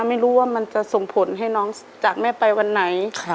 ไม่รู้ว่ามันจะส่งผลให้น้องจากแม่ไปวันไหน